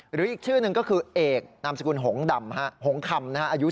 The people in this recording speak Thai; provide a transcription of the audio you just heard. ฮะ